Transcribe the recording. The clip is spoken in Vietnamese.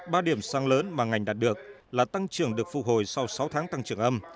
ba điểm sáng lớn mà ngành đạt được là tăng trưởng được phụ hồi sau sáu tháng tăng trưởng âm